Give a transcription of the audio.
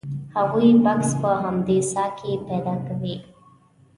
هغوی بکس په همدې څاه کې پیدا کوي.